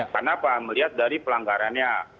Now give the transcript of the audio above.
karena apa melihat dari pelanggarannya